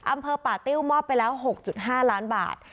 อำเภอป่าติ้วมอบไปแล้ว๖๕ล้านบาท